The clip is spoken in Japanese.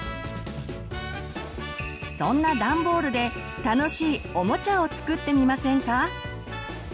そんなダンボールで楽しいおもちゃを作ってみませんか？